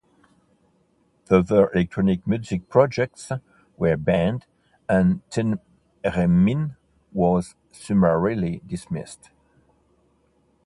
Further electronic music projects were banned, and Theremin was summarily dismissed.